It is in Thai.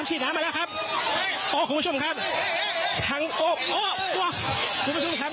ฉีดน้ำมาแล้วครับอ๋อคุณผู้ชมครับทั้งโต๊ะคุณผู้ชมครับ